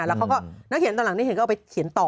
แล้วเขาก็นักเขียนตอนหลังได้เห็นก็เอาไปเขียนต่อ